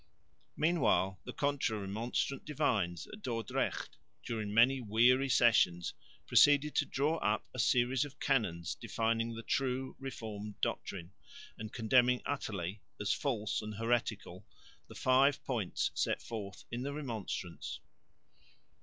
Meanwhile the Contra Remonstrant divines at Dordrecht during many weary sessions proceeded to draw up a series of canons defining the true Reformed doctrine and condemning utterly, as false and heretical, the five points set forth in the Remonstrance.